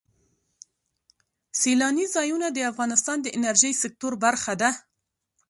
سیلاني ځایونه د افغانستان د انرژۍ سکتور برخه ده.